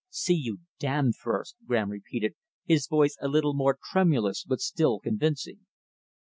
"See you damned first!" Graham repeated, his voice a little more tremulous but still convincing.